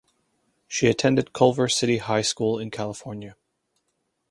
She attended Culver City High School in California.